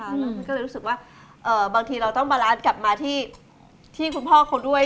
แล้วพี่ก็เลยรู้สึกว่าบางทีเราต้องบาลานซ์กลับมาที่คุณพ่อเขาด้วย